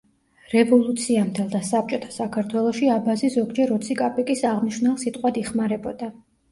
რევოლუციამდელ და საბჭოთა საქართველოში „აბაზი“ ზოგჯერ ოცი კაპიკის აღმნიშვნელ სიტყვად იხმარებოდა.